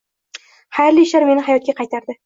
“Xayrli ishlar meni hayotga qaytardi”